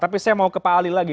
tapi saya mau ke pak ali lagi